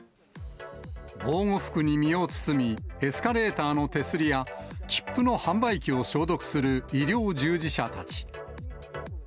防護服に身を包み、エスカレーターの手すりや切符の販売機を消毒する医療従事者たち。